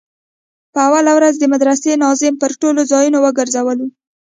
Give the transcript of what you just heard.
په اوله ورځ د مدرسې ناظم پر ټولو ځايونو وگرځولو.